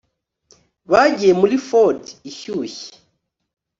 bagiye muri ford ishyushye